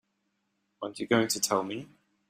Aren't you going to tell me?